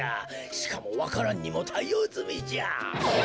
しかもわか蘭にもたいおうずみじゃ。え！？